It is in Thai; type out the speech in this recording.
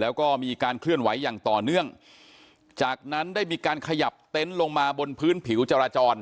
แล้วก็มีการเคลื่อนไหวอย่างต่อเนื่องจากนั้นได้มีการขยับเต็นต์ลงมาบนพื้นผิวจราจร